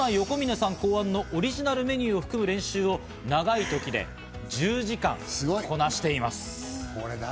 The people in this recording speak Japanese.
そんな横峯さん考案のオリジナルメニューを含む練習を長いときで１０時間こなしています。